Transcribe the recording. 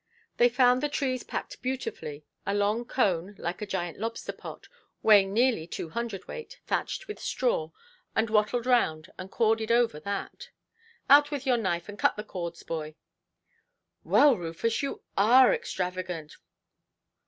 They found the trees packed beautifully; a long cone, like a giant lobster–pot, weighing nearly two hundred–weight, thatched with straw, and wattled round, and corded over that. "Out with your knife and cut the cords, boy". "Well, Rufus, you are extravagant"!